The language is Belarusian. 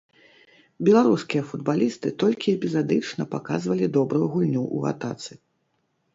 Беларускія футбалісты толькі эпізадычна паказвалі добрую гульню ў атацы.